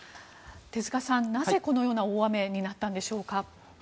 手塚さん、なぜこのような大雨になったんでしょうか。